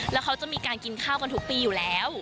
แล้วเขาจะมีการกินข้าวกันทุกปีอยู่แล้ว